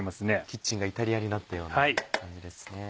キッチンがイタリアになったような感じですね。